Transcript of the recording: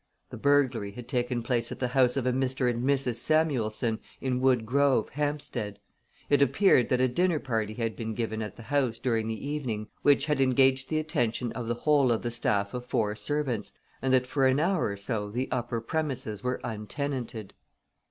The burglary had taken place at the house of a Mr. and Mrs. Samuelson, in Wood Grove, Hampstead. It appeared that a dinner party had been given at the house during the evening, which had engaged the attention of the whole of the staff of four servants, and that for an hour or so the upper premises were untenanted.